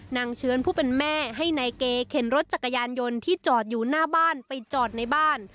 เชื้อนผู้เป็นแม่ให้นายเกเข็นรถจักรยานยนต์ที่จอดอยู่หน้าบ้านไปจอดในบ้าน